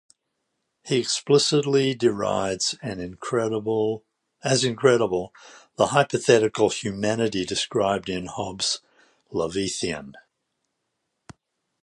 He explicitly derides as incredible the hypothetical humanity described in Hobbes' "Leviathan".